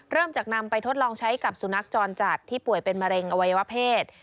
เริ่มจากนำไปทดลองใช้กับสุนัขจรจัดที่ป่วยเป็นมะเร็งอวัยวะเพศ